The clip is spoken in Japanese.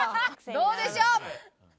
どうでしょう？